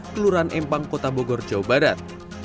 kelurahan empang kota bogor jawa barat